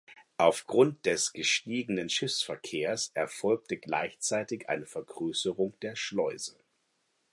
Aufgrund des gestiegenen Schiffsverkehrs erfolgte gleichzeitig eine Vergrößerung der Schleuse.